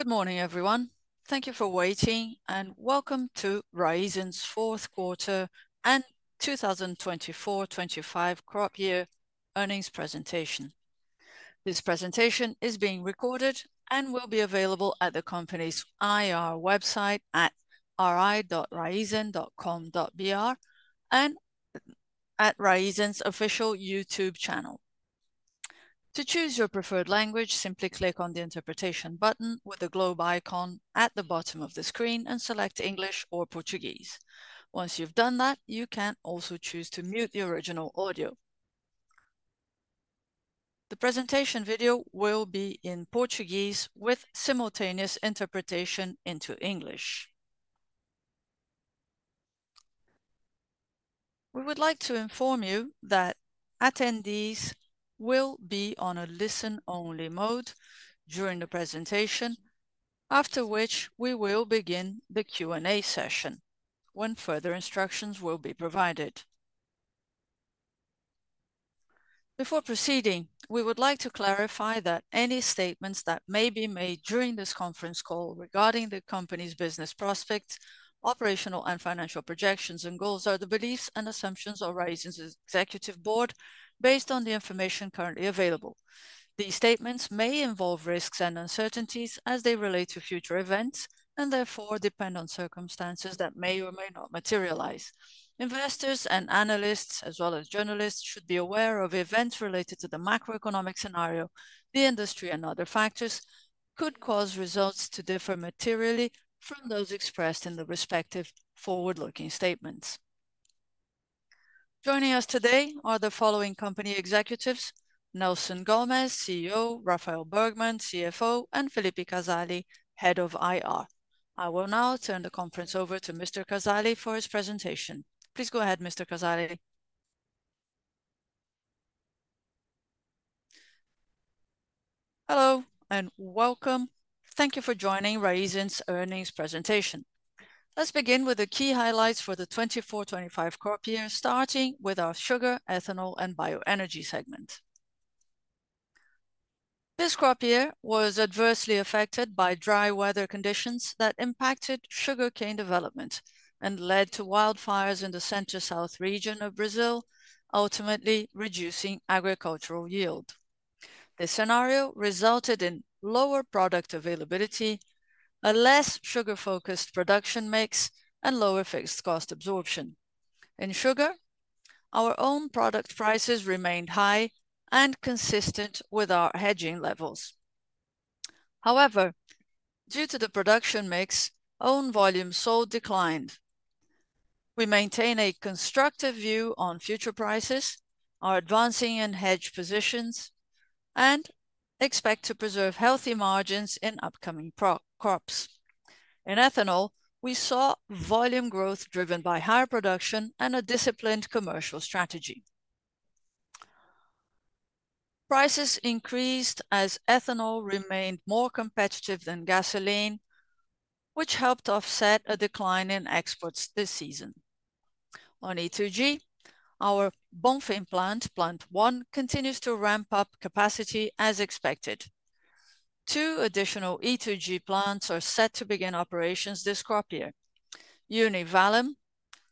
Good morning, everyone. Thank you for waiting, and welcome to Raízen's fourth quarter and 2024-2025 crop year earnings presentation. This presentation is being recorded and will be available at the company's IR website at ri.raizen.com.br and at Raízen's official YouTube channel. To choose your preferred language, simply click on the interpretation button with the globe icon at the bottom of the screen and select English or Portuguese. Once you've done that, you can also choose to mute the original audio. The presentation video will be in Portuguese with simultaneous interpretation into English. We would like to inform you that attendees will be on a listen-only mode during the presentation, after which we will begin the Q&A session when further instructions will be provided. Before proceeding, we would like to clarify that any statements that may be made during this conference call regarding the company's business prospects, operational and financial projections, and goals are the beliefs and assumptions of Raízen's executive board based on the information currently available. These statements may involve risks and uncertainties as they relate to future events and therefore depend on circumstances that may or may not materialize. Investors and analysts, as well as journalists, should be aware of events related to the macroeconomic scenario, the industry, and other factors that could cause results to differ materially from those expressed in the respective forward-looking statements. Joining us today are the following company executives: Nelson Gomes, CEO; Rafael Bergman, CFO; and Phillipe Casale, Head of IR. I will now turn the conference over to Mr. Casale for his presentation. Please go ahead, Mr. Casale. Hello and welcome. Thank you for joining Raízen's earnings presentation. Let's begin with the key highlights for the 2024-2025 crop year, starting with our sugar, ethanol, and bioenergy segment. This crop year was adversely affected by dry weather conditions that impacted sugarcane development and led to wildfires in the Centro-South region of Brazil, ultimately reducing agricultural yield. This scenario resulted in lower product availability, a less sugar-focused production mix, and lower fixed cost absorption. In sugar, our own product prices remained high and consistent with our hedging levels. However, due to the production mix, own volume sold declined. We maintain a constructive view on future prices, are advancing in hedge positions, and expect to preserve healthy margins in upcoming crops. In ethanol, we saw volume growth driven by higher production and a disciplined commercial strategy. Prices increased as ethanol remained more competitive than gasoline, which helped offset a decline in exports this season. On E2G, our Bomfim plant, Plant 1, continues to ramp up capacity as expected. Two additional E2G plants are set to begin operations this crop year: UniValem,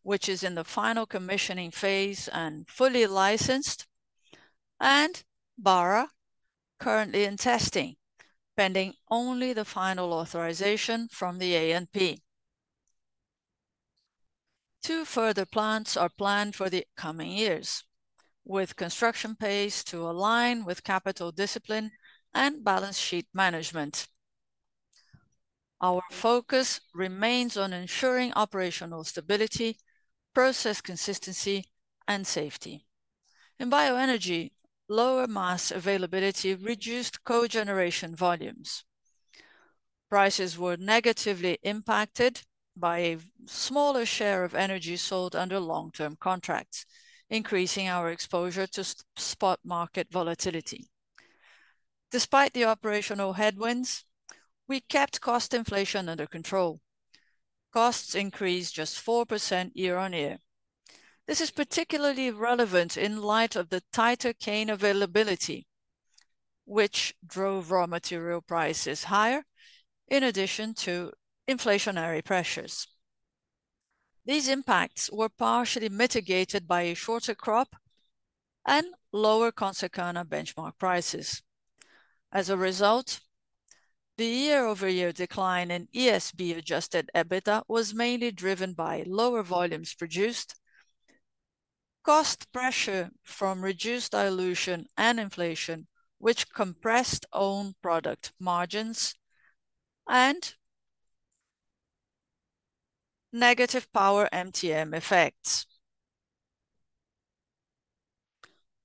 which is in the final commissioning phase and fully licensed, and Barra, currently in testing, pending only the final authorization from the ANP. Two further plants are planned for the coming years, with construction pace to align with capital discipline and balance sheet management. Our focus remains on ensuring operational stability, process consistency, and safety. In bioenergy, lower mass availability reduced co-generation volumes. Prices were negatively impacted by a smaller share of energy sold under long-term contracts, increasing our exposure to spot market volatility. Despite the operational headwinds, we kept cost inflation under control. Costs increased just 4% year on year. This is particularly relevant in light of the tighter cane availability, which drove raw material prices higher, in addition to inflationary pressures. These impacts were partially mitigated by a shorter crop and lower Consecana benchmark prices. As a result, the year-over-year decline in ESB-adjusted EBITDA was mainly driven by lower volumes produced, cost pressure from reduced dilution and inflation, which compressed own product margins, and negative power MTM effects.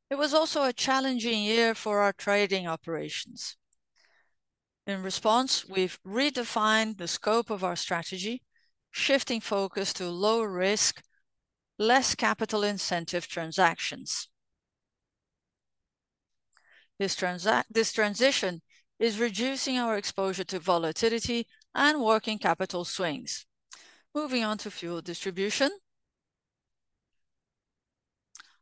It was also a challenging year for our trading operations. In response, we've redefined the scope of our strategy, shifting focus to low-risk, less-capital-incentive transactions. This transition is reducing our exposure to volatility and working capital swings. Moving on to fuel distribution,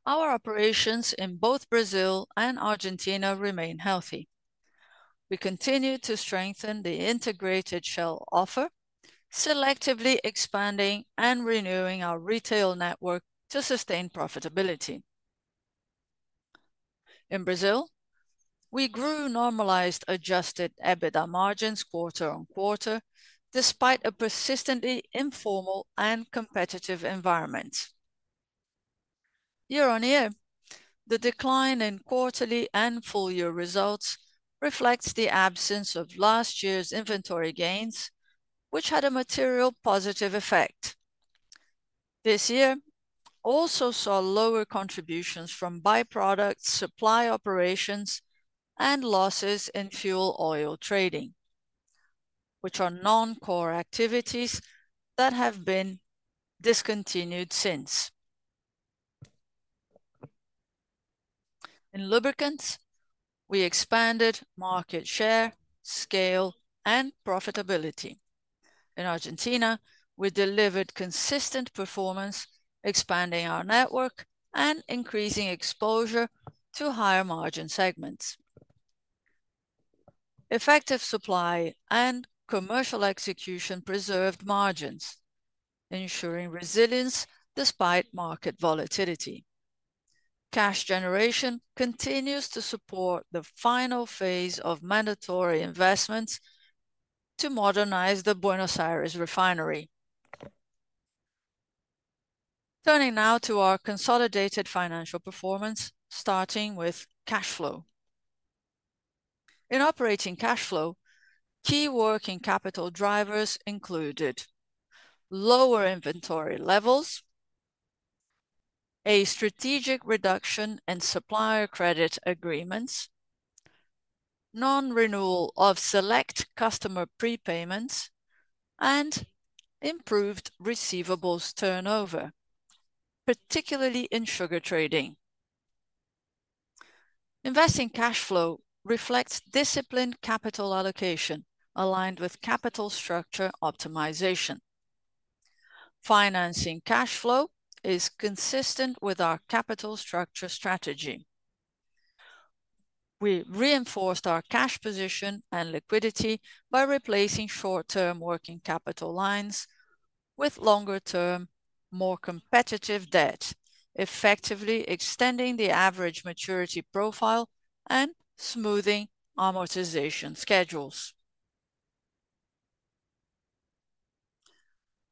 our operations in both Brazil and Argentina remain healthy. We continue to strengthen the integrated Shell offer, selectively expanding and renewing our retail network to sustain profitability. In Brazil, we grew normalized adjusted EBITDA margins quarter on quarter, despite a persistently informal and competitive environment. Year on year, the decline in quarterly and full-year results reflects the absence of last year's inventory gains, which had a material positive effect. This year also saw lower contributions from byproduct supply operations and losses in fuel-oil trading, which are non-core activities that have been discontinued since. In lubricants, we expanded market share, scale, and profitability. In Argentina, we delivered consistent performance, expanding our network and increasing exposure to higher margin segments. Effective supply and commercial execution preserved margins, ensuring resilience despite market volatility. Cash generation continues to support the final phase of mandatory investments to modernize the Buenos Aires refinery. Turning now to our consolidated financial performance, starting with cash flow. In operating cash flow, key working capital drivers included lower inventory levels, a strategic reduction in supplier credit agreements, non-renewal of select customer prepayments, and improved receivables turnover, particularly in sugar trading. Investing cash flow reflects disciplined capital allocation aligned with capital structure optimization. Financing cash flow is consistent with our capital structure strategy. We reinforced our cash position and liquidity by replacing short-term working capital lines with longer-term, more competitive debt, effectively extending the average maturity profile and smoothing amortization schedules.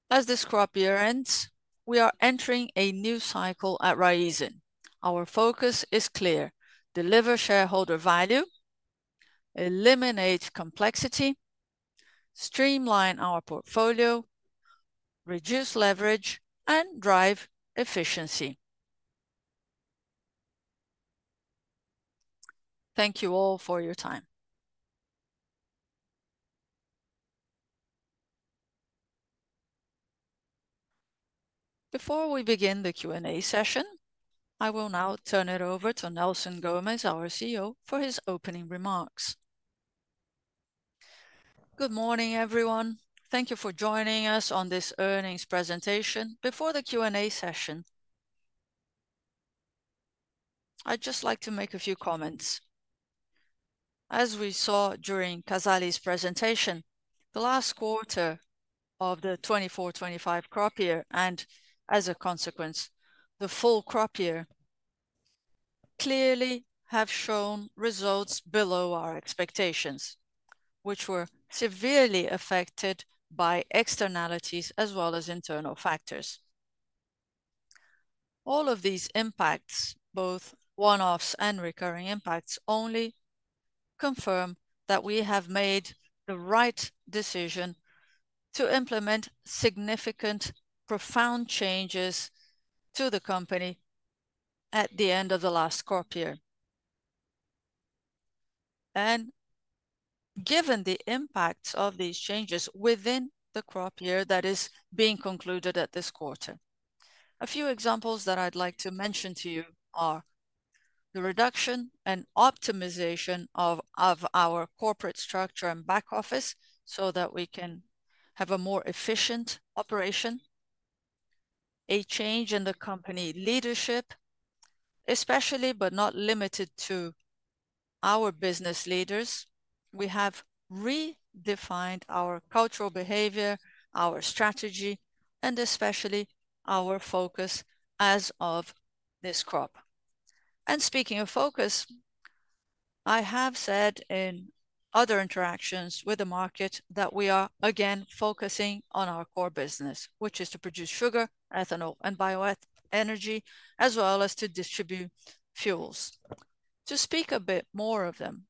As this crop year ends, we are entering a new cycle at Raízen. Our focus is clear: deliver shareholder value, eliminate complexity, streamline our portfolio, reduce leverage, and drive efficiency. Thank you all for your time. Before we begin the Q&A session, I will now turn it over to Nelson Gomes, our CEO, for his opening remarks. Good morning, everyone. Thank you for joining us on this earnings presentation. Before the Q&A session, I'd just like to make a few comments. As we saw during Casale's presentation, the last quarter of the 2024-2025 crop year and, as a consequence, the full crop year clearly have shown results below our expectations, which were severely affected by externalities as well as internal factors. All of these impacts, both one-offs and recurring impacts, only confirm that we have made the right decision to implement significant, profound changes to the company at the end of the last crop year. Given the impacts of these changes within the crop year that is being concluded at this quarter, a few examples that I'd like to mention to you are the reduction and optimization of our corporate structure and back office so that we can have a more efficient operation, a change in the company leadership, especially, but not limited to our business leaders. We have redefined our cultural behavior, our strategy, and especially our focus as of this crop. Speaking of focus, I have said in other interactions with the market that we are again focusing on our core business, which is to produce sugar, ethanol, and bioenergy, as well as to distribute fuels. To speak a bit more of them,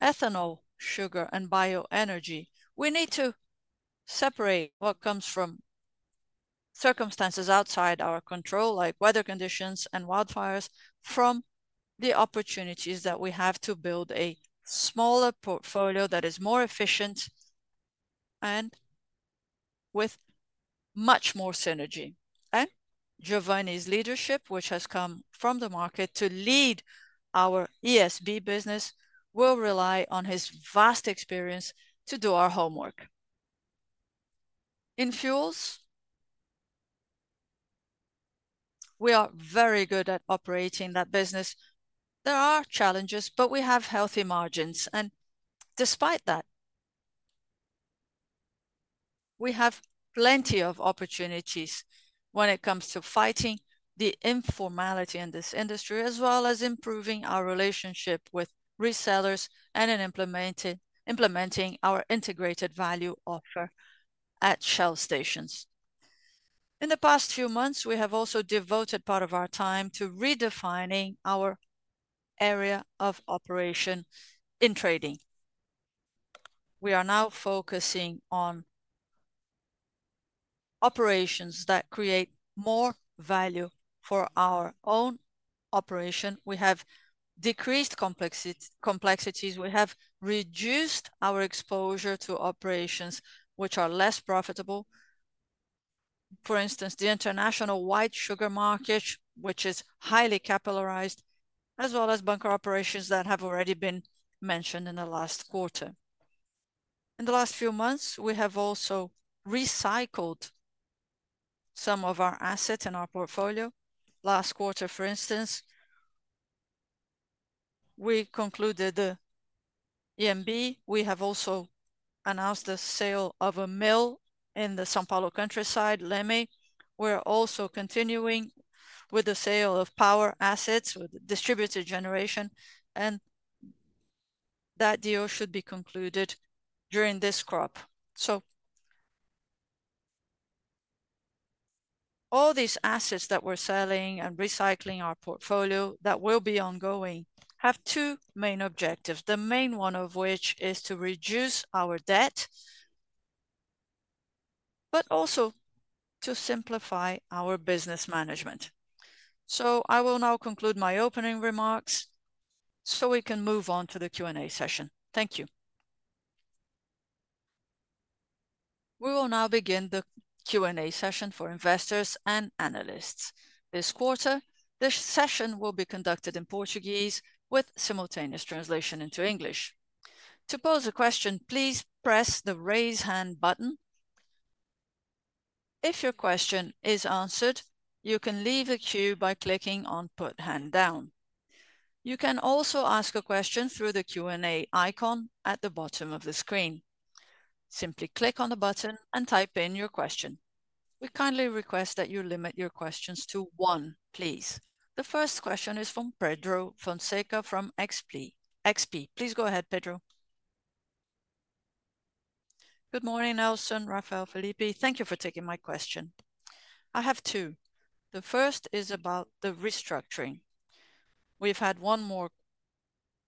ethanol, sugar, and bioenergy, we need to separate what comes from circumstances outside our control, like weather conditions and wildfires, from the opportunities that we have to build a smaller portfolio that is more efficient and with much more synergy. Giovanni's leadership, which has come from the market to lead our ESB business, will rely on his vast experience to do our homework. In fuels, we are very good at operating that business. There are challenges, but we have healthy margins. Despite that, we have plenty of opportunities when it comes to fighting the informality in this industry, as well as improving our relationship with resellers and in implementing our integrated value offer at Shell stations. In the past few months, we have also devoted part of our time to redefining our area of operation in trading. We are now focusing on operations that create more value for our own operation. We have decreased complexities. We have reduced our exposure to operations which are less profitable. For instance, the international white sugar market, which is highly capitalized, as well as bunker operations that have already been mentioned in the last quarter. In the last few months, we have also recycled some of our assets in our portfolio. Last quarter, for instance, we concluded the EMB. We have also announced the sale of a mill in the São Paulo countryside, Leme. We're also continuing with the sale of power assets with distributed generation, and that deal should be concluded during this crop. All these assets that we're selling and recycling our portfolio that will be ongoing have two main objectives, the main one of which is to reduce our debt, but also to simplify our business management. I will now conclude my opening remarks so we can move on to the Q&A session. Thank you. We will now begin the Q&A session for investors and analysts. This quarter, this session will be conducted in Portuguese with simultaneous translation into English. To pose a question, please press the raise hand button. If your question is answered, you can leave a queue by clicking on put hand down. You can also ask a question through the Q&A icon at the bottom of the screen. Simply click on the button and type in your question. We kindly request that you limit your questions to one, please. The first question is from Pedro Fonseca from XP. Please go ahead, Pedro. Good morning, Nelson. Rafael, Phillipe. Thank you for taking my question. I have two. The first is about the restructuring. We've had one more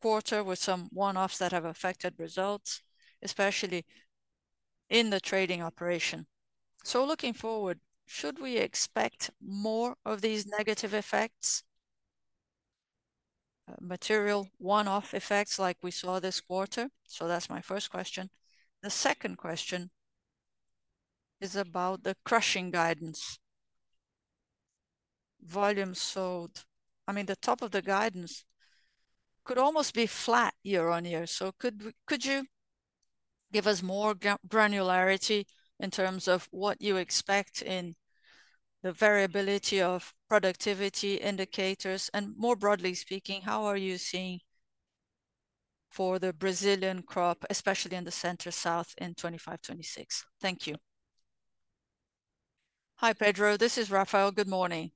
quarter with some one-offs that have affected results, especially in the trading operation. Looking forward, should we expect more of these negative effects, material one-off effects like we saw this quarter? That is my first question. The second question is about the crushing guidance. Volume sold, I mean, the top of the guidance could almost be flat year on year. Could you give us more granularity in terms of what you expect in the variability of productivity indicators? More broadly speaking, how are you seeing for the Brazilian crop, especially in the Centro-South in 2025-2026? Thank you. Hi, Pedro. This is Rafael. Good morning.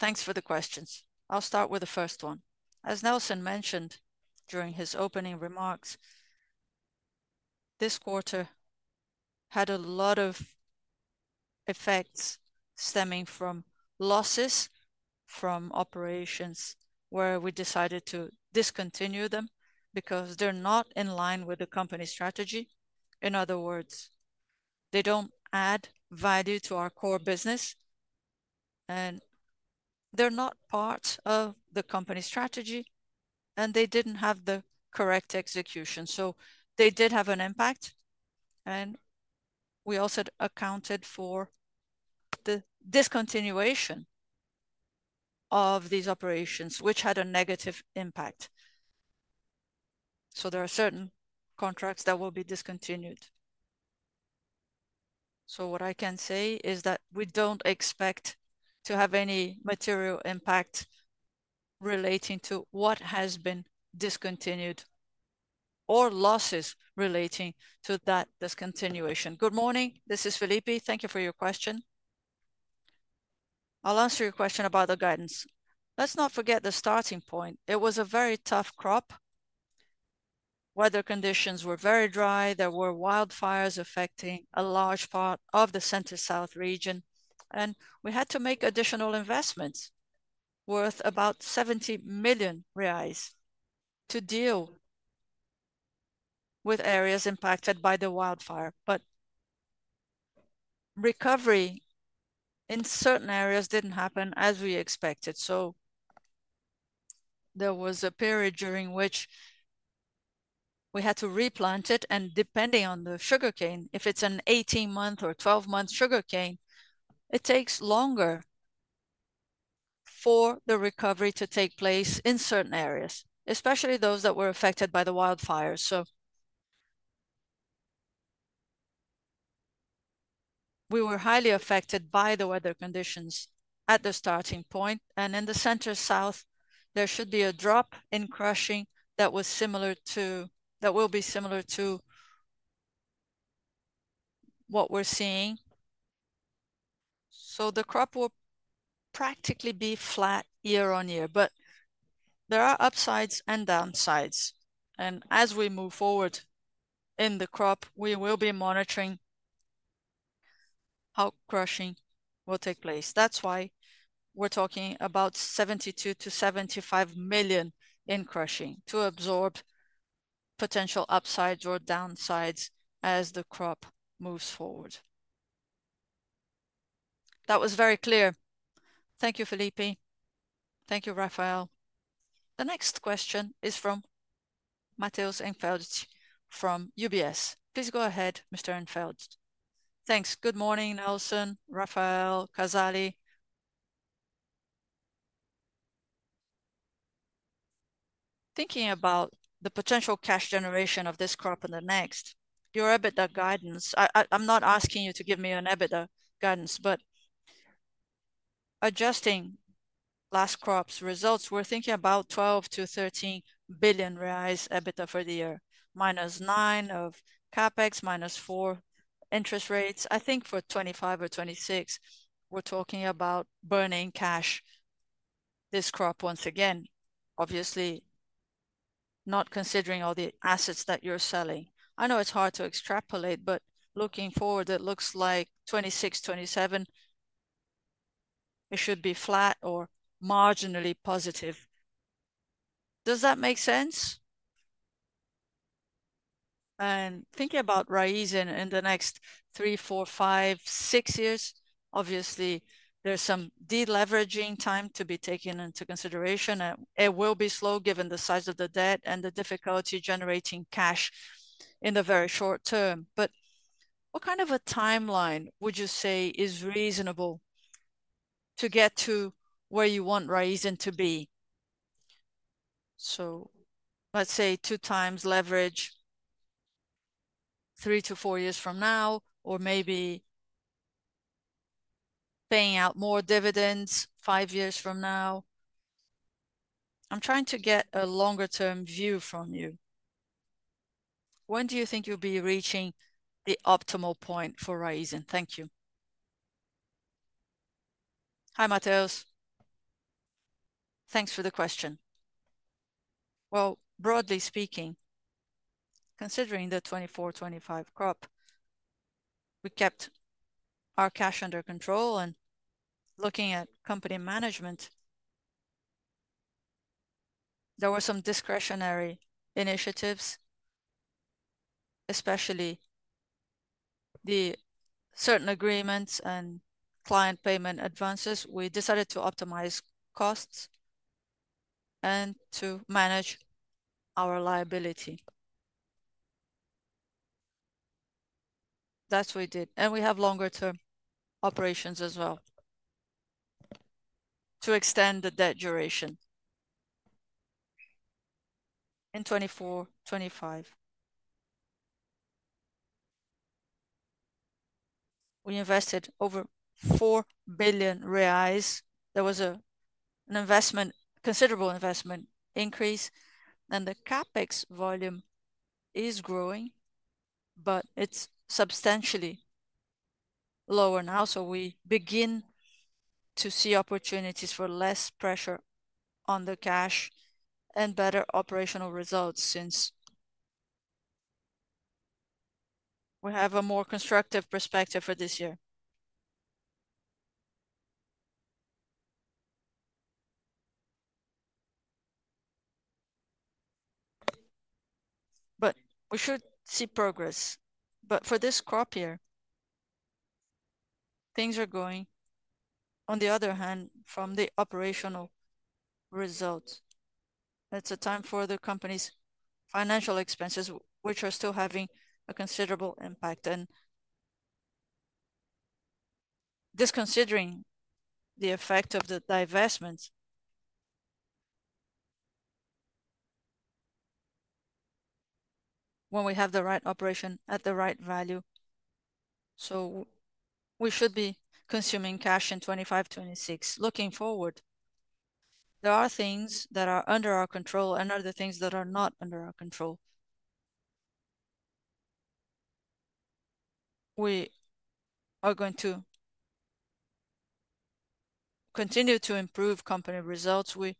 Thanks for the questions. I'll start with the first one. As Nelson mentioned during his opening remarks, this quarter had a lot of effects stemming from losses from operations where we decided to discontinue them because they're not in line with the company strategy. In other words, they don't add value to our core business, and they're not part of the company strategy, and they didn't have the correct execution. They did have an impact, and we also accounted for the discontinuation of these operations, which had a negative impact. There are certain contracts that will be discontinued. What I can say is that we do not expect to have any material impact relating to what has been discontinued or losses relating to that discontinuation. Good morning. This is Phillipe. Thank you for your question. I will answer your question about the guidance. Let us not forget the starting point. It was a very tough crop. Weather conditions were very dry. There were wildfires affecting a large part of the Centro-South region, and we had to make additional investments worth about 70 million reais to deal with areas impacted by the wildfire. Recovery in certain areas did not happen as we expected. There was a period during which we had to replant it. Depending on the sugarcane, if it is an 18-month or 12-month sugarcane, it takes longer for the recovery to take place in certain areas, especially those that were affected by the wildfires. We were highly affected by the weather conditions at the starting point. In the Centro-South, there should be a drop in crushing that will be similar to what we are seeing. The crop will practically be flat year on year, but there are upsides and downsides. As we move forward in the crop, we will be monitoring how crushing will take place. That is why we are talking about 72-75 million in crushing to absorb potential upsides or downsides as the crop moves forward. That was very clear. Thank you, Phillipe. Thank you, Rafael. The next question is from Matheus Enfeldt from UBS. Please go ahead, Mr. Enfeldt. Thanks. Good morning, Nelson, Rafael, Casale. Thinking about the potential cash generation of this crop and the next, your EBITDA guidance, I'm not asking you to give me an EBITDA guidance, but adjusting last crop's results, we're thinking about 12 billion-13 billion reais EBITDA for the year, minus 9 billion of CapEx, minus 4 billion interest rates. I think for 2025 or 2026, we're talking about burning cash this crop once again, obviously not considering all the assets that you're selling. I know it's hard to extrapolate, but looking forward, it looks like 2026, 2027, it should be flat or marginally positive. Does that make sense? And thinking about Raízen in the next three, four, five, six years, obviously, there's some deleveraging time to be taken into consideration. It will be slow given the size of the debt and the difficulty generating cash in the very short term. What kind of a timeline would you say is reasonable to get to where you want Raízen to be? Let's say two times leverage, three to four years from now, or maybe paying out more dividends five years from now. I'm trying to get a longer-term view from you. When do you think you'll be reaching the optimal point for Raízen? Thank you. Hi, Matheus. Thanks for the question. Broadly speaking, considering the 2024, 2025 crop, we kept our cash under control. Looking at company management, there were some discretionary initiatives, especially certain agreements and client payment advances. We decided to optimize costs and to manage our liability. That's what we did. We have longer-term operations as well to extend the debt duration in 2024, 2025. We invested over 4 billion reais. There was an investment, considerable investment increase. The CapEx volume is growing, but it is substantially lower now. We begin to see opportunities for less pressure on the cash and better operational results since we have a more constructive perspective for this year. We should see progress. For this crop year, things are going on the other hand from the operational results. It is a time for the company's financial expenses, which are still having a considerable impact. Disconsidering the effect of the divestment when we have the right operation at the right value, we should be consuming cash in 2025-2026. Looking forward, there are things that are under our control and other things that are not under our control. We are going to continue to improve company results. We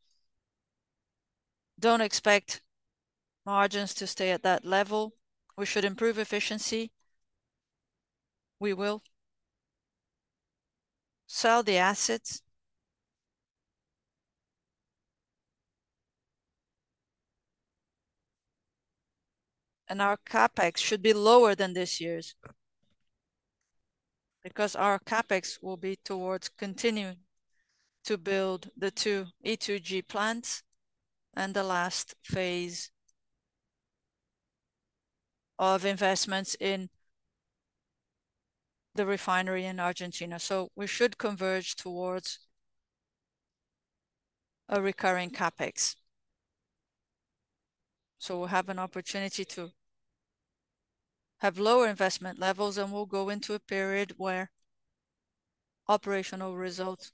do not expect margins to stay at that level. We should improve efficiency. We will sell the assets. Our CapEx should be lower than this year's because our CapEx will be towards continuing to build the two E2G plants and the last phase of investments in the refinery in Argentina. We should converge towards a recurring CapEx. We will have an opportunity to have lower investment levels, and we will go into a period where operational results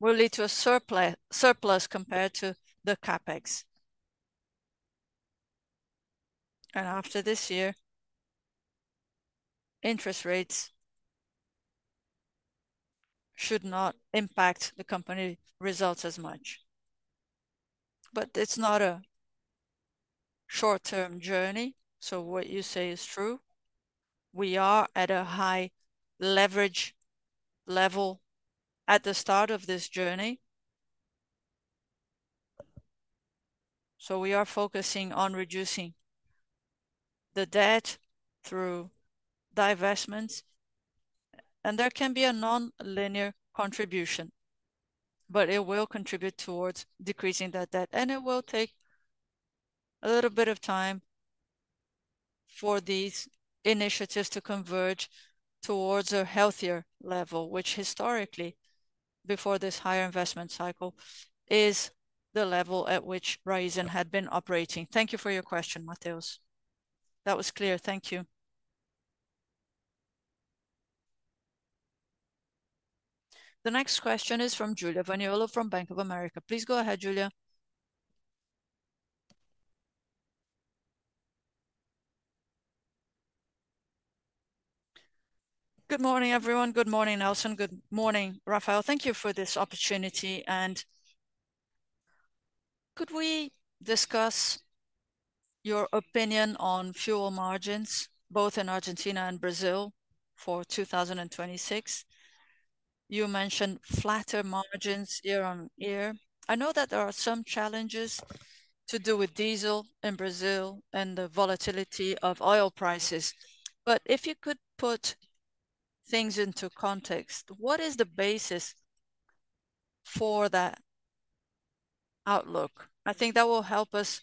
will lead to a surplus compared to the CapEx. After this year, interest rates should not impact the company results as much. It is not a short-term journey. What you say is true. We are at a high leverage level at the start of this journey. We are focusing on reducing the debt through divestments. There can be a non-linear contribution, but it will contribute towards decreasing that debt. It will take a little bit of time for these initiatives to converge towards a healthier level, which historically, before this higher investment cycle, is the level at which Raízen had been operating. Thank you for your question, Matheus. That was clear. Thank you. The next question is from Julia Zaniolo from Bank of America. Please go ahead, Julia. Good morning, everyone. Good morning, Nelson. Good morning, Rafael. Thank you for this opportunity. Could we discuss your opinion on fuel margins, both in Argentina and Brazil for 2026? You mentioned flatter margins year on year. I know that there are some challenges to do with diesel in Brazil and the volatility of oil prices. If you could put things into context, what is the basis for that outlook? I think that will help us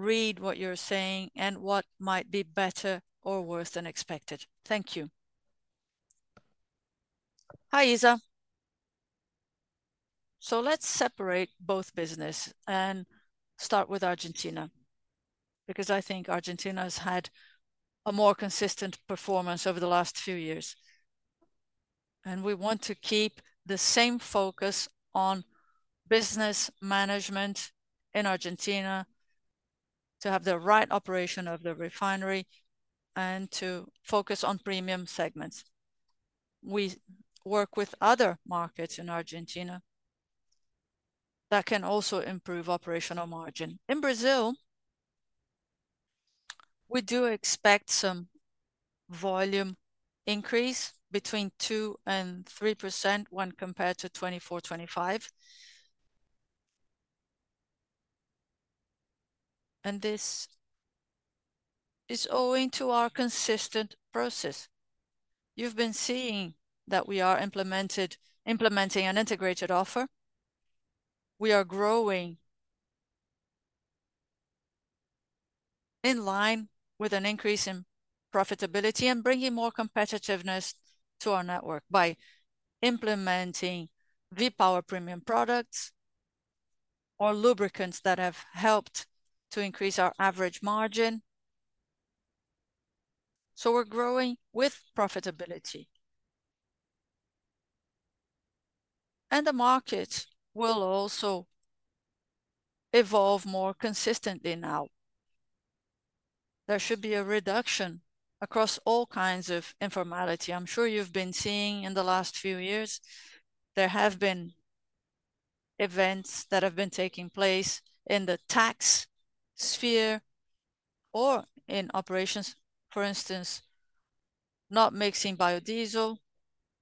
read what you're saying and what might be better or worse than expected. Thank you. Hi, Isa. Let's separate both businesses and start with Argentina because I think Argentina has had a more consistent performance over the last few years. We want to keep the same focus on business management in Argentina to have the right operation of the refinery and to focus on premium segments. We work with other markets in Argentina that can also improve operational margin. In Brazil, we do expect some volume increase between 2 and 3% when compared to 2024-2025. This is owing to our consistent process. You've been seeing that we are implementing an integrated offer. We are growing in line with an increase in profitability and bringing more competitiveness to our network by implementing V-Power premium products or lubricants that have helped to increase our average margin. We're growing with profitability. The markets will also evolve more consistently now. There should be a reduction across all kinds of informality. I'm sure you've been seeing in the last few years, there have been events that have been taking place in the tax sphere or in operations. For instance, not mixing biodiesel,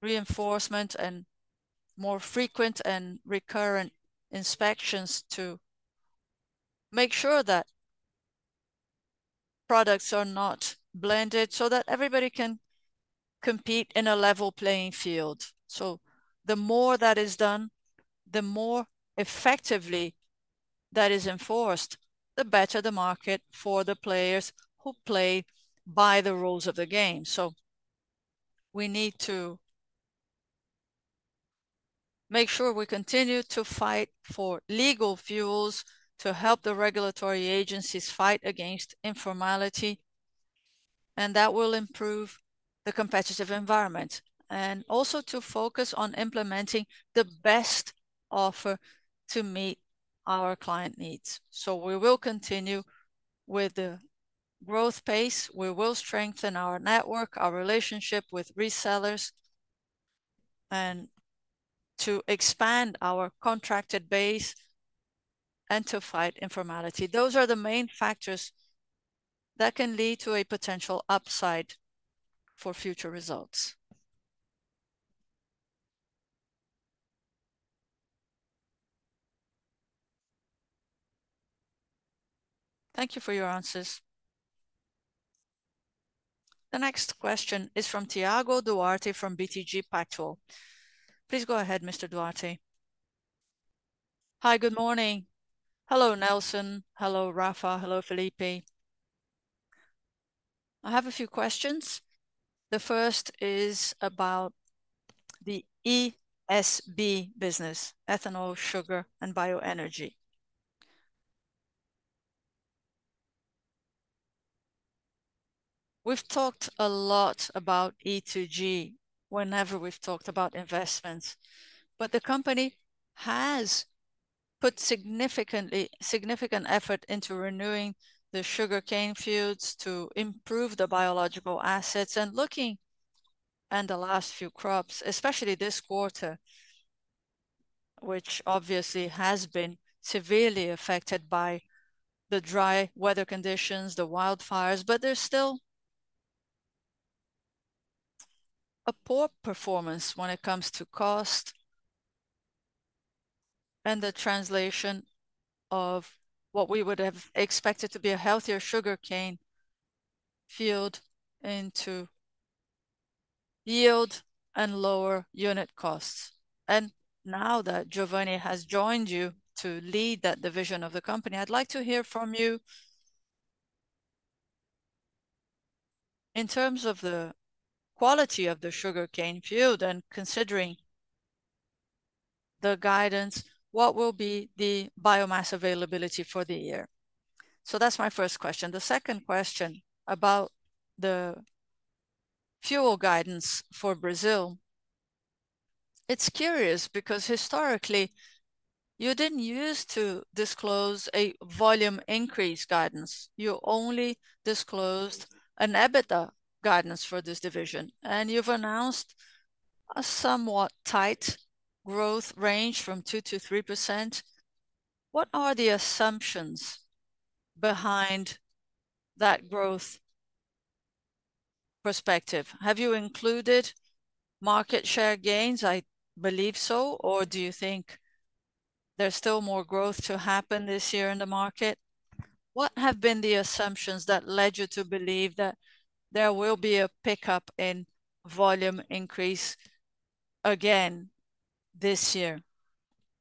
reinforcement, and more frequent and recurrent inspections to make sure that products are not blended so that everybody can compete in a level playing field. The more that is done, the more effectively that is enforced, the better the market for the players who play by the rules of the game. We need to make sure we continue to fight for legal fuels to help the regulatory agencies fight against informality, and that will improve the competitive environment. Also, to focus on implementing the best offer to meet our client needs. We will continue with the growth pace. We will strengthen our network, our relationship with resellers, and to expand our contracted base and to fight informality. Those are the main factors that can lead to a potential upside for future results. Thank you for your answers. The next question is from Thiago Duarte from BTG Pactual. Please go ahead, Mr. Duarte. Hi, good morning. Hello, Nelson. Hello, Rafa. Hello, Phillipe. I have a few questions. The first is about the ESB business, ethanol, sugar, and bioenergy. We've talked a lot about E2G whenever we've talked about investments, but the company has put significant effort into renewing the sugarcane fields to improve the biological assets. Looking at the last few crops, especially this quarter, which obviously has been severely affected by the dry weather conditions, the wildfires, but there is still a poor performance when it comes to cost and the translation of what we would have expected to be a healthier sugarcane field into yield and lower unit costs. Now that Giovanni has joined you to lead that division of the company, I would like to hear from you in terms of the quality of the sugarcane field and considering the guidance, what will be the biomass availability for the year? That is my first question. The second question about the fuel guidance for Brazil, it is curious because historically, you did not use to disclose a volume increase guidance. You only disclosed an EBITDA guidance for this division. You have announced a somewhat tight growth range from 2-3%. What are the assumptions behind that growth perspective? Have you included market share gains? I believe so. Do you think there's still more growth to happen this year in the market? What have been the assumptions that led you to believe that there will be a pickup in volume increase again this year?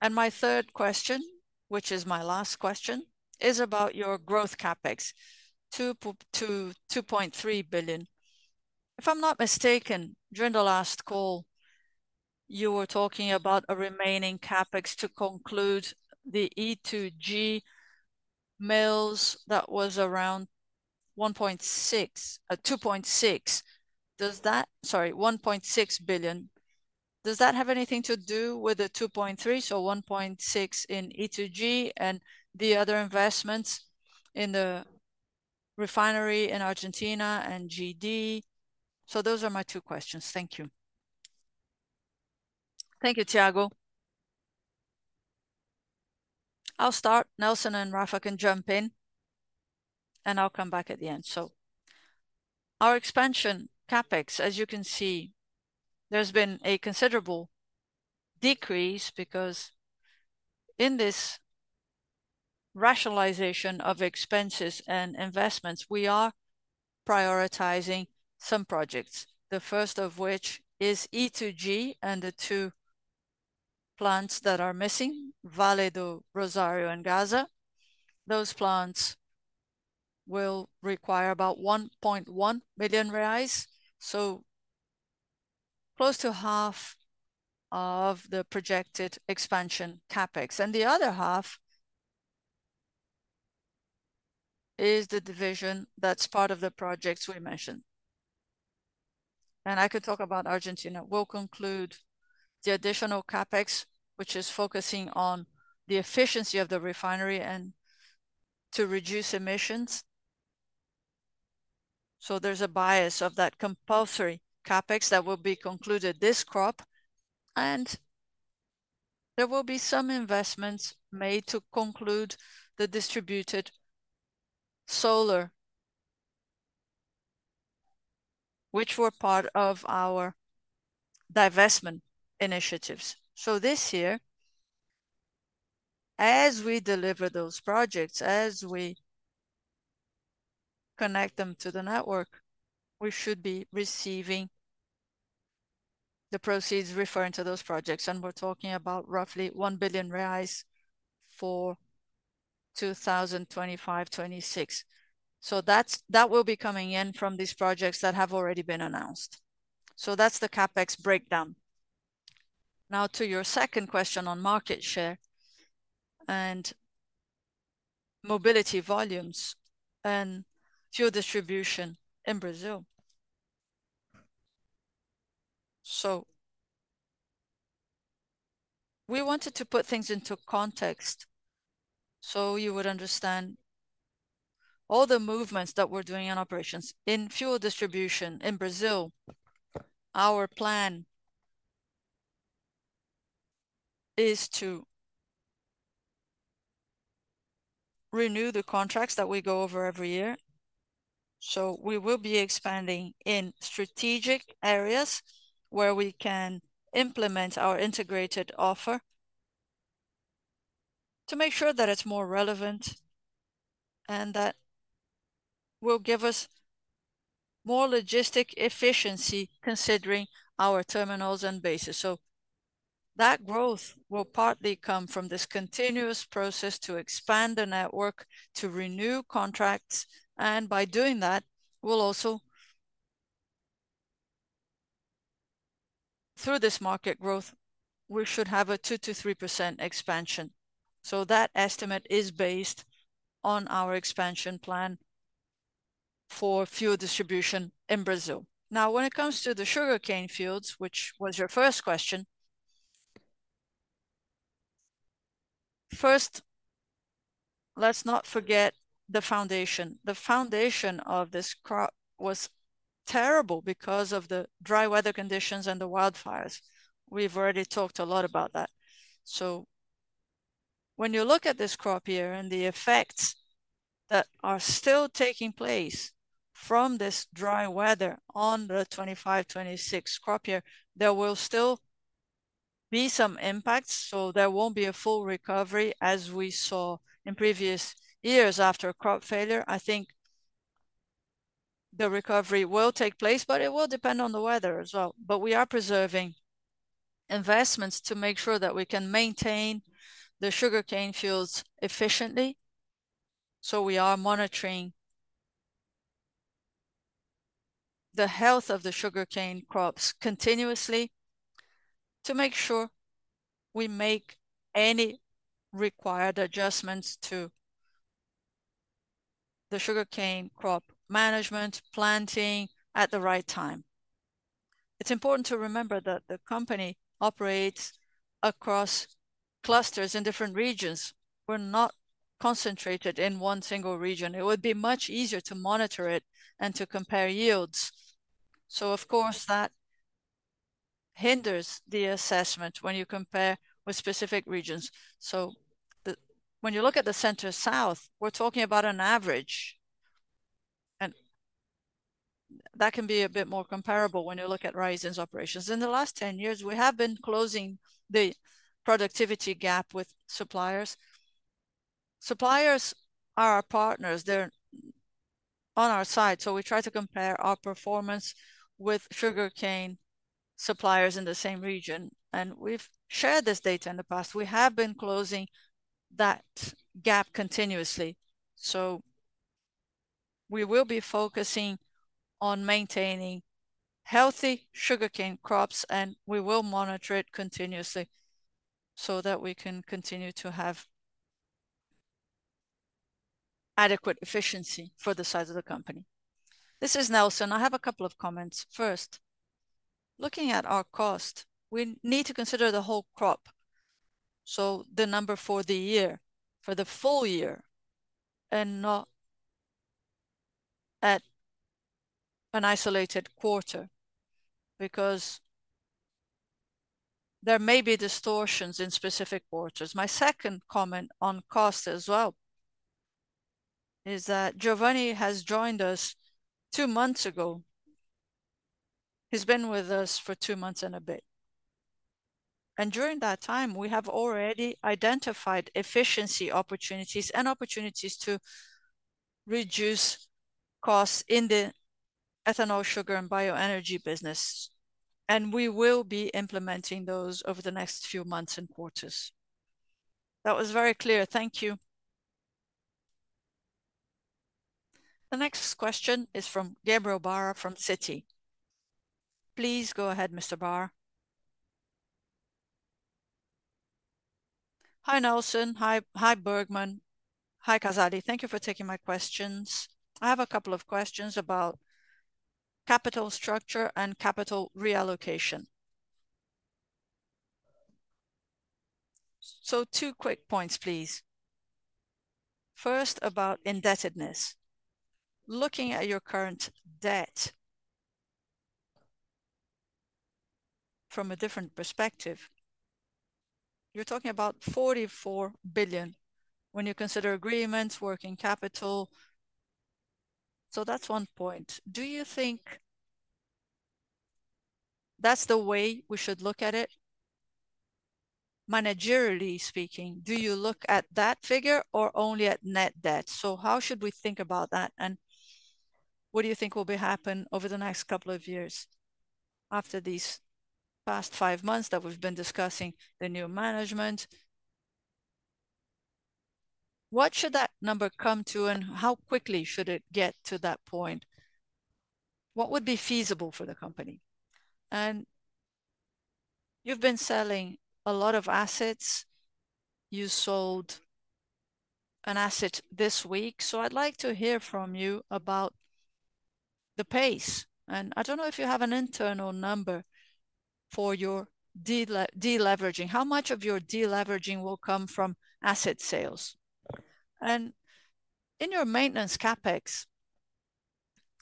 My third question, which is my last question, is about your growth CapEx, 2.3 billion. If I'm not mistaken, during the last call, you were talking about a remaining CapEx to conclude the E2G mills that was around 2.6 billion. Does that, sorry, 1.6 billion, does that have anything to do with the 2.3 billion? So 1.6 billion in E2G and the other investments in the refinery in Argentina and GD? Those are my two questions. Thank you. Thank you, Thiago. I'll start. Nelson and Rafa can jump in, and I'll come back at the end. Our expansion CapEx, as you can see, there's been a considerable decrease because in this rationalization of expenses and investments, we are prioritizing some projects, the first of which is E2G and the two plants that are missing, Vale do Rosário and Gaza. Those plants will require about 1.1 million reais, so close to half of the projected expansion CapEx. The other half is the division that's part of the projects we mentioned. I could talk about Argentina. We'll conclude the additional CapEx, which is focusing on the efficiency of the refinery and to reduce emissions. There's a bias of that compulsory CapEx that will be concluded this crop. There will be some investments made to conclude the distributed solar, which were part of our divestment initiatives. This year, as we deliver those projects, as we connect them to the network, we should be receiving the proceeds referring to those projects. We are talking about roughly 1 billion reais for 2025-2026. That will be coming in from these projects that have already been announced. That is the CapEx breakdown. Now, to your second question on market share and mobility volumes and fuel distribution in Brazil. We wanted to put things into context so you would understand all the movements that we are doing in operations. In fuel distribution in Brazil, our plan is to renew the contracts that we go over every year. We will be expanding in strategic areas where we can implement our integrated offer to make sure that it is more relevant and that will give us more logistic efficiency considering our terminals and bases. That growth will partly come from this continuous process to expand the network, to renew contracts. By doing that, we'll also, through this market growth, we should have a 2-3% expansion. That estimate is based on our expansion plan for fuel distribution in Brazil. Now, when it comes to the sugarcane fields, which was your first question, first, let's not forget the foundation. The foundation of this crop was terrible because of the dry weather conditions and the wildfires. We've already talked a lot about that. When you look at this crop year and the effects that are still taking place from this dry weather on the 2025-2026 crop year, there will still be some impacts. There will not be a full recovery as we saw in previous years after crop failure. I think the recovery will take place, but it will depend on the weather as well. We are preserving investments to make sure that we can maintain the sugarcane fields efficiently. We are monitoring the health of the sugarcane crops continuously to make sure we make any required adjustments to the sugarcane crop management, planting at the right time. It's important to remember that the company operates across clusters in different regions. We're not concentrated in one single region. It would be much easier to monitor it and to compare yields. Of course, that hinders the assessment when you compare with specific regions. When you look at the Centro-South, we're talking about an average. That can be a bit more comparable when you look at Raízen's operations. In the last 10 years, we have been closing the productivity gap with suppliers. Suppliers are our partners. They're on our side. We try to compare our performance with sugarcane suppliers in the same region. We have shared this data in the past. We have been closing that gap continuously. We will be focusing on maintaining healthy sugarcane crops, and we will monitor it continuously so that we can continue to have adequate efficiency for the size of the company. This is Nelson. I have a couple of comments. First, looking at our cost, we need to consider the whole crop. The number for the year, for the full year, and not at an isolated quarter because there may be distortions in specific quarters. My second comment on cost as well is that Giovanni has joined us two months ago. He's been with us for two months and a bit. During that time, we have already identified efficiency opportunities and opportunities to reduce costs in the ethanol, sugar, and bioenergy business. We will be implementing those over the next few months and quarters. That was very clear. Thank you. The next question is from Gabriel Barra from Citi. Please go ahead, Mr. Barra. Hi, Nelson. Hi, Bergman. Hi, Casale. Thank you for taking my questions. I have a couple of questions about capital structure and capital reallocation. Two quick points, please. First, about indebtedness. Looking at your current debt from a different perspective, you are talking about 44 billion when you consider agreements, working capital. That is one point. Do you think that is the way we should look at it? Managerially speaking, do you look at that figure or only at net debt? How should we think about that? What do you think will happen over the next couple of years after these past five months that we've been discussing the new management? What should that number come to, and how quickly should it get to that point? What would be feasible for the company? You've been selling a lot of assets. You sold an asset this week. I'd like to hear from you about the pace. I don't know if you have an internal number for your deleveraging. How much of your deleveraging will come from asset sales? In your maintenance CapEx,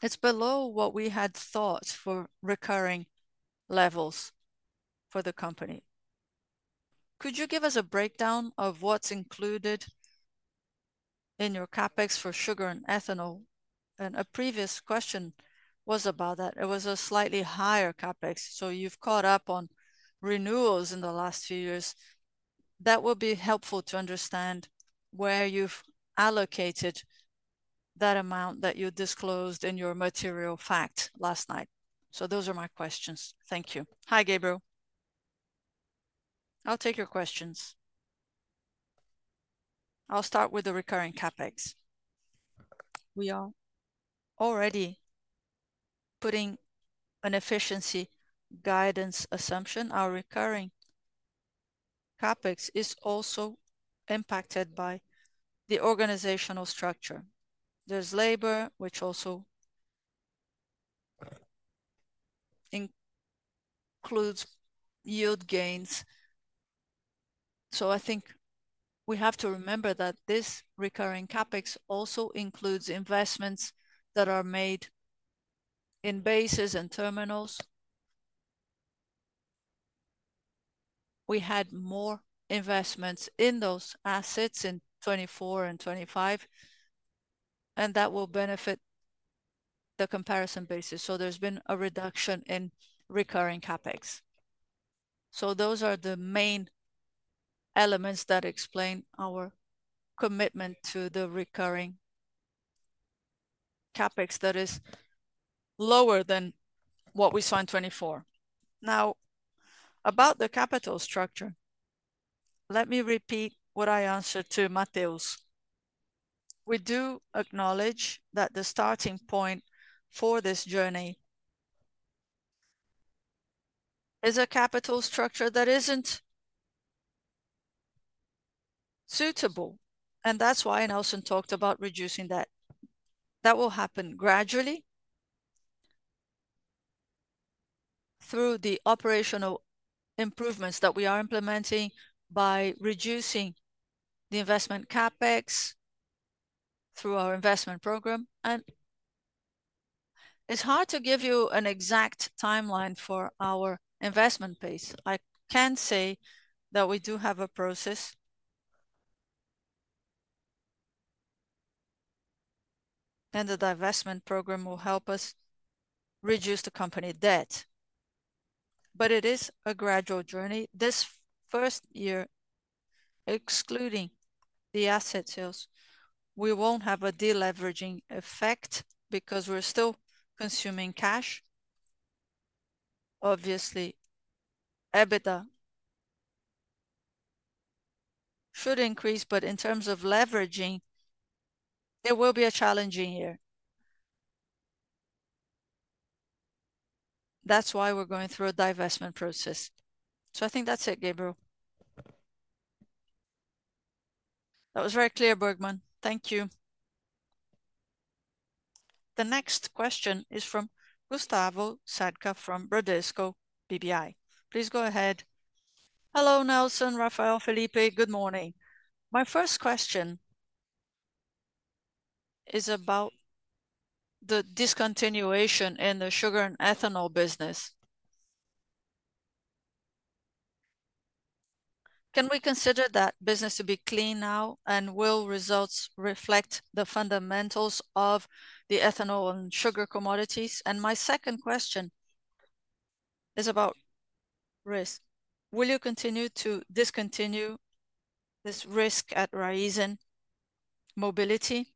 it's below what we had thought for recurring levels for the company. Could you give us a breakdown of what's included in your CapEx for sugar and ethanol? A previous question was about that. It was a slightly higher CapEx. So you've caught up on renewals in the last few years. That will be helpful to understand where you've allocated that amount that you disclosed in your material fact last night. So those are my questions. Thank you. Hi, Gabriel. I'll take your questions. I'll start with the recurring CapEx. We are already putting an efficiency guidance assumption. Our recurring CapEx is also impacted by the organizational structure. There's labor, which also includes yield gains. I think we have to remember that this recurring CapEx also includes investments that are made in bases and terminals. We had more investments in those assets in 2024 and 2025, and that will benefit the comparison basis. There's been a reduction in recurring CapEx. Those are the main elements that explain our commitment to the recurring CapEx that is lower than what we saw in 2024. Now, about the capital structure, let me repeat what I answered to Matheus. We do acknowledge that the starting point for this journey is a capital structure that is not suitable. That is why Nelson talked about reducing that. That will happen gradually through the operational improvements that we are implementing by reducing the investment CapEx through our investment program. It is hard to give you an exact timeline for our investment pace. I can say that we do have a process, and the divestment program will help us reduce the company debt. It is a gradual journey. This first year, excluding the asset sales, we will not have a deleveraging effect because we are still consuming cash. Obviously, EBITDA should increase, but in terms of leveraging, it will be a challenging year. That is why we are going through a divestment process. I think that is it, Gabriel. That was very clear, Bergman. Thank you. The next question is from Gustavo Sadka from Bradesco BBI. Please go ahead. Hello, Nelson. Rafael, Phillipe. Good morning. My first question is about the discontinuation in the sugar and ethanol business. Can we consider that business to be clean now, and will results reflect the fundamentals of the ethanol and sugar commodities? My second question is about risk. Will you continue to discontinue this risk at Raízen Mobility?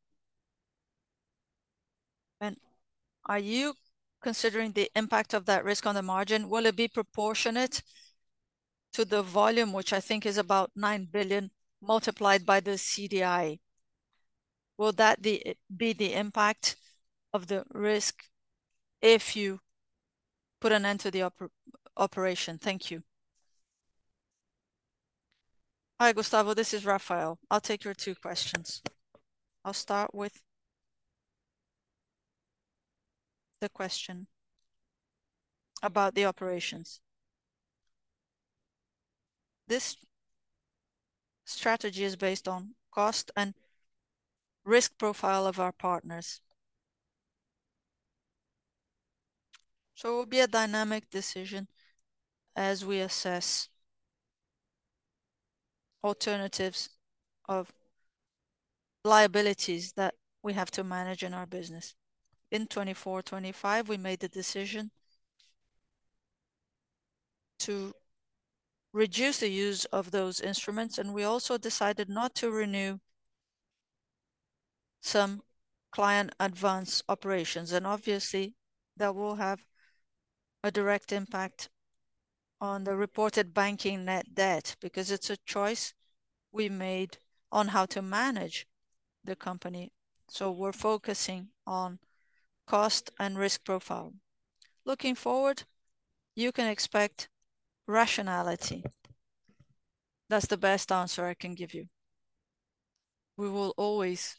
Are you considering the impact of that risk on the margin? Will it be proportionate to the volume, which I think is about 9 billion multiplied by the CDI? Will that be the impact of the risk if you put an end to the operation? Thank you. Hi, Gustavo. This is Rafael. I'll take your two questions. I'll start with the question about the operations. This strategy is based on cost and risk profile of our partners. It will be a dynamic decision as we assess alternatives of liabilities that we have to manage in our business. In 2024-2025, we made the decision to reduce the use of those instruments, and we also decided not to renew some client advance operations. Obviously, that will have a direct impact on the reported banking net debt because it is a choice we made on how to manage the company. We are focusing on cost and risk profile. Looking forward, you can expect rationality. That is the best answer I can give you. We will always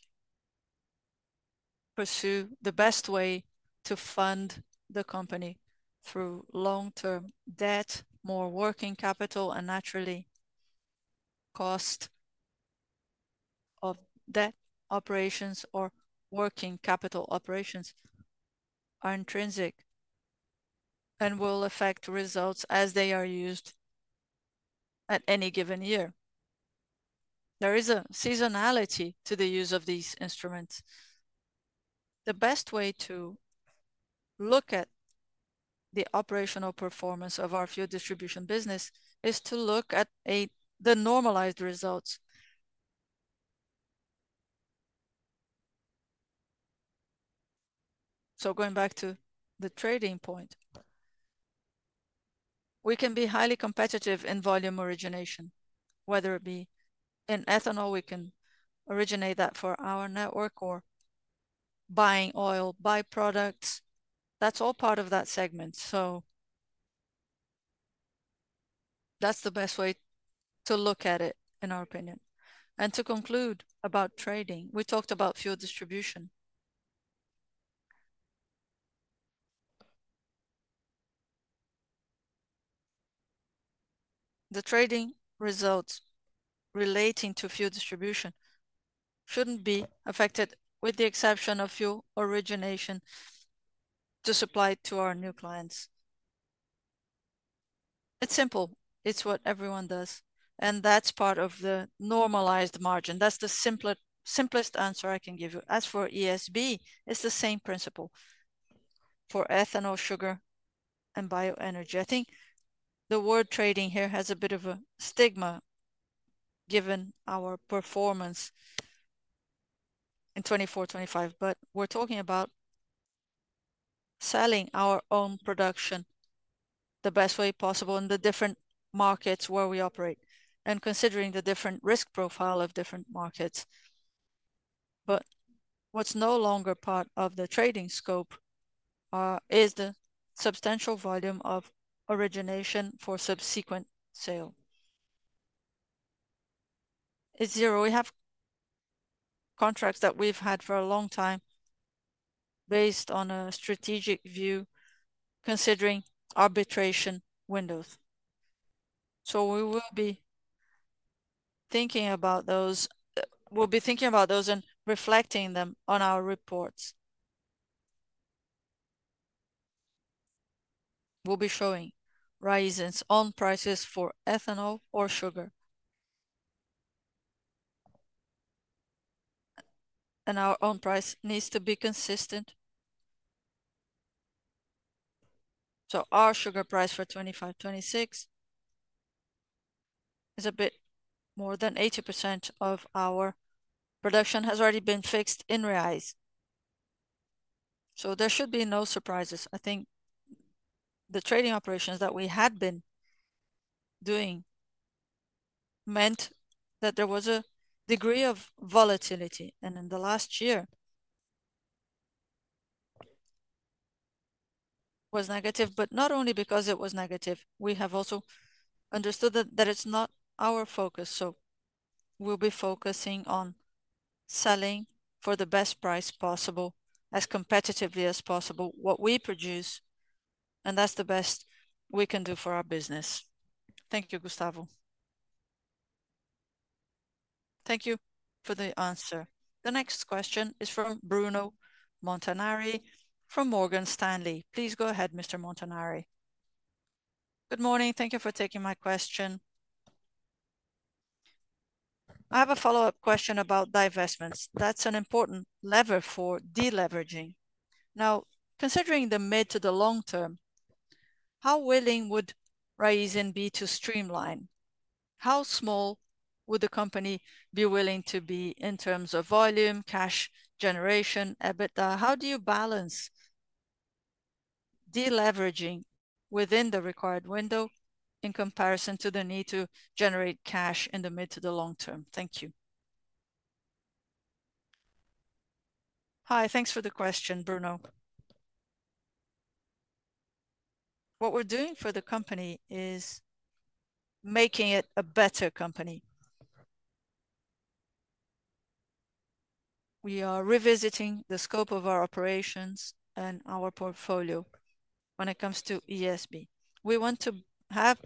pursue the best way to fund the company through long-term debt, more working capital, and naturally, cost of debt operations or working capital operations are intrinsic and will affect results as they are used at any given year. There is a seasonality to the use of these instruments. The best way to look at the operational performance of our fuel distribution business is to look at the normalized results. Going back to the trading point, we can be highly competitive in volume origination, whether it be in ethanol. We can originate that for our network or buying oil byproducts. That is all part of that segment. That is the best way to look at it, in our opinion. To conclude about trading, we talked about fuel distribution. The trading results relating to fuel distribution should not be affected, with the exception of fuel origination to supply to our new clients. It is simple. It is what everyone does. That is part of the normalized margin. That is the simplest answer I can give you. As for ESB, it is the same principle for ethanol, sugar, and bioenergy. I think the word trading here has a bit of a stigma given our performance in 2024-2025, but we're talking about selling our own production the best way possible in the different markets where we operate and considering the different risk profile of different markets. What is no longer part of the trading scope is the substantial volume of origination for subsequent sale. It is zero. We have contracts that we've had for a long time based on a strategic view, considering arbitration windows. We will be thinking about those. We will be thinking about those and reflecting them on our reports. We will be showing Raízen's own prices for ethanol or sugar. Our own price needs to be consistent. Our sugar price for 2025-2026 is a bit more than 80% of our production has already been fixed in Raízen. There should be no surprises. I think the trading operations that we had been doing meant that there was a degree of volatility. In the last year, it was negative. Not only because it was negative, we have also understood that it is not our focus. We will be focusing on selling for the best price possible as competitively as possible what we produce, and that is the best we can do for our business. Thank you, Gustavo. Thank you for the answer. The next question is from Bruno Montanari from Morgan Stanley. Please go ahead, Mr. Montanari. Good morning. Thank you for taking my question. I have a follow-up question about divestments. That is an important lever for deleveraging. Now, considering the mid to the long term, how willing would Raízen be to streamline? How small would the company be willing to be in terms of volume, cash generation, EBITDA? How do you balance deleveraging within the required window in comparison to the need to generate cash in the mid to the long term? Thank you. Hi. Thanks for the question, Bruno. What we are doing for the company is making it a better company. We are revisiting the scope of our operations and our portfolio when it comes to ESB. We want to have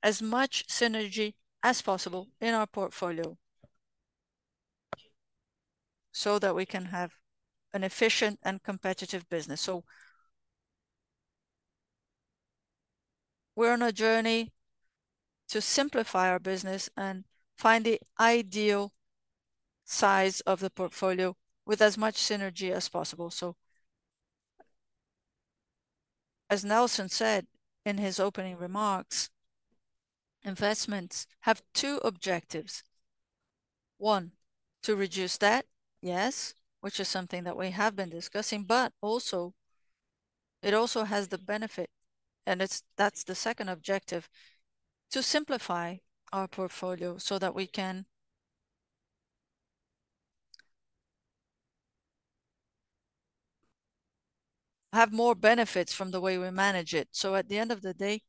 as much synergy as possible in our portfolio so that we can have an efficient and competitive business. We are on a journey to simplify our business and find the ideal size of the portfolio with as much synergy as possible. As Nelson said in his opening remarks, investments have two objectives. One, to reduce debt, yes, which is something that we have been discussing, but it also has the benefit, and that's the second objective, to simplify our portfolio so that we can have more benefits from the way we manage it. At the end of the day,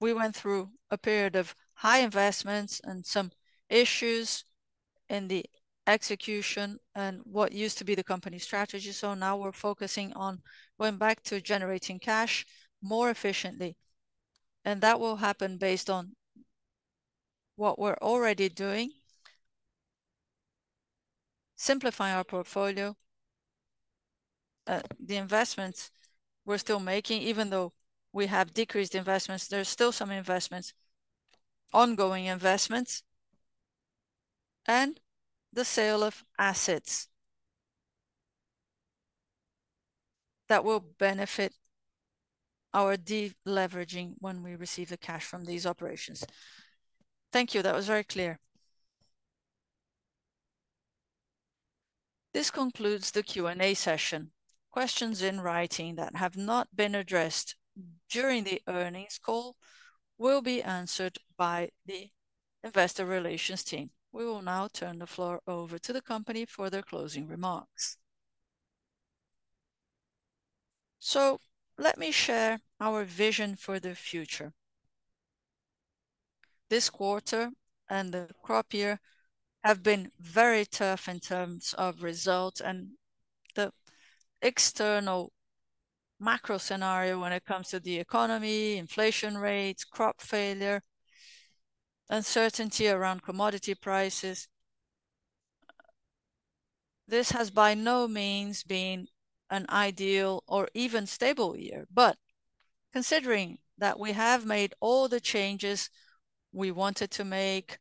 we went through a period of high investments and some issues in the execution and what used to be the company strategy. Now we're focusing on going back to generating cash more efficiently. That will happen based on what we're already doing, simplifying our portfolio. The investments we're still making, even though we have decreased investments, there's still some investments, ongoing investments, and the sale of assets that will benefit our deleveraging when we receive the cash from these operations. Thank you. That was very clear. This concludes the Q&A session. Questions in writing that have not been addressed during the earnings call will be answered by the investor relations team. We will now turn the floor over to the company for their closing remarks. Let me share our vision for the future. This quarter and the crop year have been very tough in terms of results and the external macro scenario when it comes to the economy, inflation rates, crop failure, uncertainty around commodity prices. This has by no means been an ideal or even stable year. Considering that we have made all the changes we wanted to make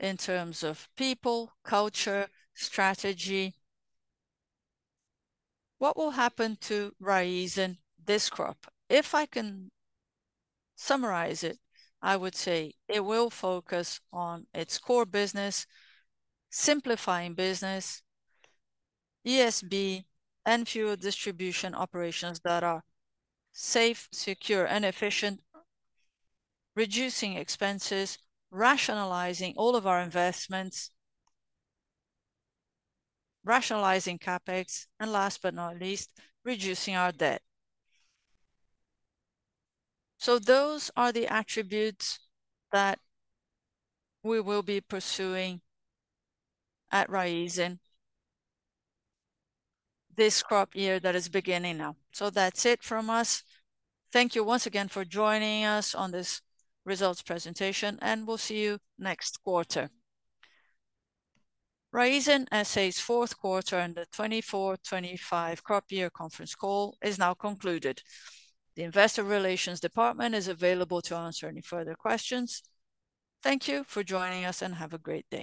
in terms of people, culture, strategy, what will happen to Raízen this crop? If I can summarize it, I would say it will focus on its core business, simplifying business, ESB, and fuel distribution operations that are safe, secure, and efficient, reducing expenses, rationalizing all of our investments, rationalizing CapEx, and last but not least, reducing our debt. Those are the attributes that we will be pursuing at Raízen this crop year that is beginning now. That is it from us. Thank you once again for joining us on this results presentation, and we will see you next quarter. Raízen ESB's fourth quarter in the 2024-2025 crop year conference call is now concluded. The investor relations department is available to answer any further questions. Thank you for joining us, and have a great day.